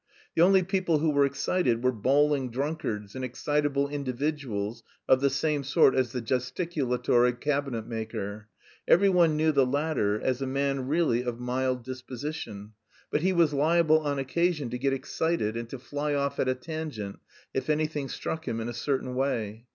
The only people who were excited were bawling drunkards and excitable individuals of the same sort as the gesticulatory cabinet maker. Every one knew the latter as a man really of mild disposition, but he was liable on occasion to get excited and to fly off at a tangent if anything struck him in a certain way.